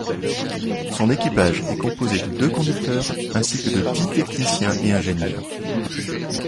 Son équipage est composé de deux conducteurs, ainsi que de dix techniciens et ingénieurs.